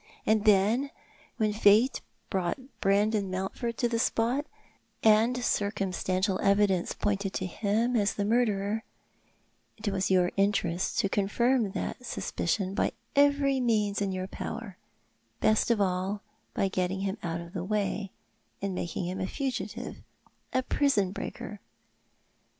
And then, when Fate brought Brandon Mountford to the spot, and circumstantial evidence pointed to him as the murderer, it was your interest to confirm that suspicion by every means in your power — best of all by getting him out of the way — by making him a fugitive, a prison breaker.